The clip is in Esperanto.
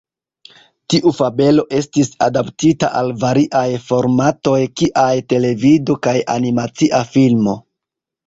Tiu fabelo estis adaptita al variaj formatoj kiaj televido kaj animacia filmo.